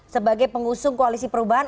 sebagai pengusung koalisi perubahan